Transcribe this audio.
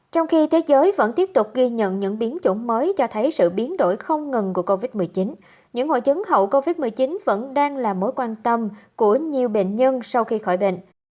trong khi thế giới vẫn tiếp tục ghi nhận những biến chủng mới cho thấy sự biến đổi không ngừng của covid một mươi chín những hội chứng hậu covid một mươi chín vẫn đang là mối quan tâm của nhiều bệnh nhân sau khi khỏi bệnh